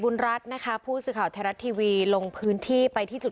รัฐนะคะผู้สื่อข่าวไทยรัฐทีวีลงพื้นที่ไปที่จุด